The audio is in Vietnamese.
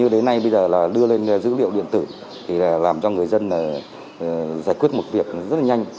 bây giờ là đưa lên dữ liệu điện tử thì là làm cho người dân là giải quyết một việc rất là nhanh